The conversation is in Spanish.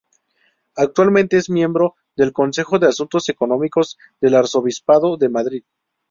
Actualmente es miembro del Consejo de Asuntos Económicos del Arzobispado de Madrid.